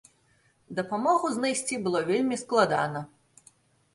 Дапамогу знайсці было вельмі складана.